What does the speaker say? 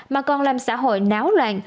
mà còn làm xã hội náo loạn